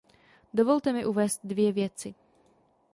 Dovolte mi uvést dvě věci.